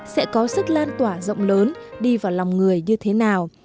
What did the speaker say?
sẽ có sức lan tỏa rộng lớn đi vào lòng người như thế nào